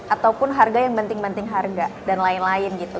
ataupun harga yang penting penting harga dan lain lain gitu